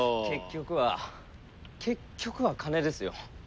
結局は結局は金ですよ。